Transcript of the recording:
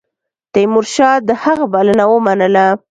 تیمورشاه د هغه بلنه ومنله.